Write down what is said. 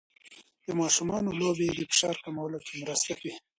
د ماشومانو لوبې د فشار کمولو کې مرسته کوي.